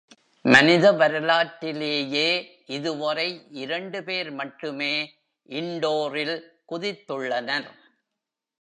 மனித வரலாற்றிலேயே இதுவரை இரண்டு பேர் மட்டுமே இண்டோரில் குதித்துள்ளனர்.